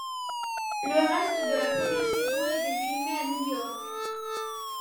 Le reste de la première saison a été filmé à New York.